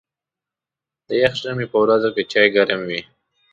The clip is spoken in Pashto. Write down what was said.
د یخ ژمي په ورځو کې چای ګرم وي.